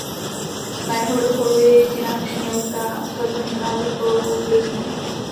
Na jeho vrcholu je jediná čnělka zakončená vrcholovou bliznou.